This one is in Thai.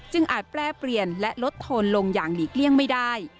อาจแปรเปลี่ยนและลดโทนลงอย่างหลีกเลี่ยงไม่ได้